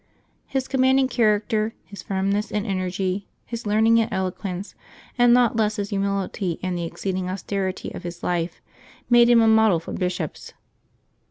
His commanding character, his firmness and energy, his learning and eloquence, and not less his humility and the exceeding austerity of his life, made him a model for bishops.